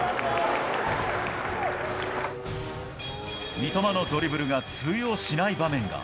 三笘のドリブルが通用しない場面が。